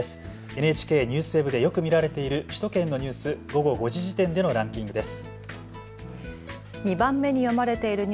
ＮＨＫＮＥＷＳＷＥＢでよく見られている首都圏のニュース、午後５時時点でのランキングです。